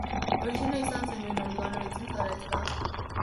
Horixe nahi izan zenuen orduan, oroitzen zara, ezta?